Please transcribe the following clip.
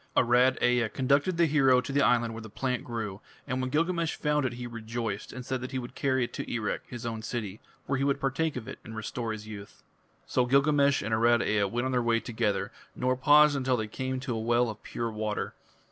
Arad Ea conducted the hero to the island where the plant grew, and when Gilgamesh found it he rejoiced, and said that he would carry it to Erech, his own city, where he would partake of it and restore his youth. So Gilgamesh and Arad Ea went on their way together, nor paused until they came to a well of pure water.